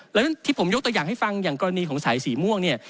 แล้วที่ผมยกตัวอย่างให้ฟังอย่างกรณีของสายสีม่วงเนี่ย